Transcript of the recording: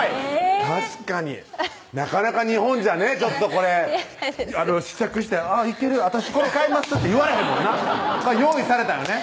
確かになかなか日本じゃねちょっとこれ試着して「あぁいける」「私これ買います」って言われへんもんな用意されたらね